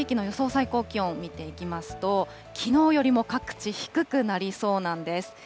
最高気温見ていきますと、きのうよりも各地、低くなりそうなんです。